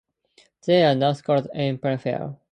There are no schools in Pine Hill.